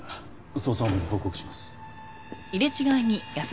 捜査本部に報告します。